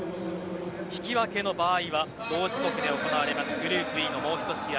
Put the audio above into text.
引き分けの場合は同時刻に行われますグループＥのもう一試合